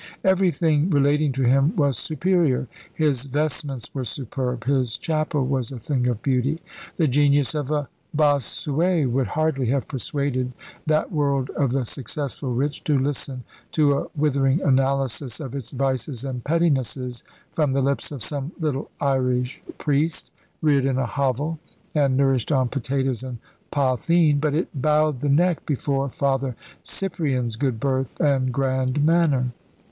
Everything relating to him was superior. His vestments were superb, his chapel was a thing of beauty. The genius of a Bossuet would hardly have persuaded that world of the successful rich to listen to a withering analysis of its vices and pettinesses from the lips of some little Irish priest, reared in a hovel and nourished on potatoes and potheen; but it bowed the neck before Father Cyprian's good birth and grand manner.